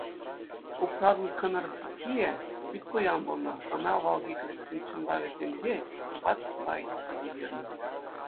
Купратӑн кӑнар-тиккийӗ Питпуян пулнӑ, ӑна авалхи грексен чӑнлавӗсенче Батбай тесе ҫырнӑ.